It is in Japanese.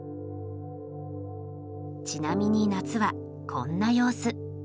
ちなみに夏はこんな様子。